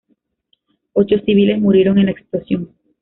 Ocho civiles murieron en la explosión.